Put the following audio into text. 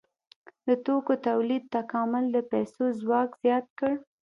د توکو تولید تکامل د پیسو ځواک زیات کړ.